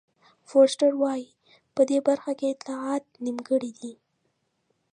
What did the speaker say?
فورسټر وایي په دې برخه کې اطلاعات نیمګړي دي.